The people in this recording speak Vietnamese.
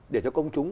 để cho công chúng